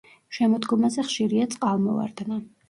შემოდგომაზე ხშირია წყალმოვარდნა.